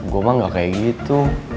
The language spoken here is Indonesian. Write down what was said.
gue mah gak kayak gitu